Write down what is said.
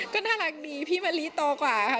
ก็น่ารักดีพี่มะลิโตกว่าค่ะ